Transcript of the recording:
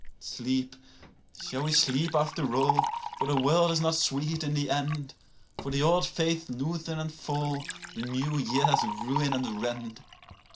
39Sleep, shall we sleep after all? for the world is not sweet in the end;40For the old faiths loosen and fall, the new years ruin and rend.